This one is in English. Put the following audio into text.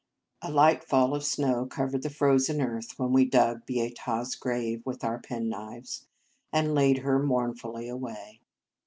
A light fall of snow covered the frozen earth when we dug Beata s grave with our penknives, and laid her mournfully away.